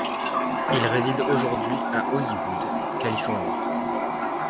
Il réside aujourd'hui à Hollywood, Californie.